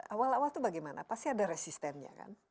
awal awal itu bagaimana pasti ada resistennya kan